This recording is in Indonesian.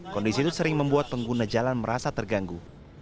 kondisi itu sering membuat pengguna jalan merasa terganggu